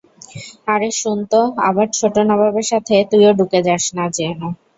আরে শুন তো, আবার ছোট নবাবের সাথে তুইও ডুকে যাস না যেন!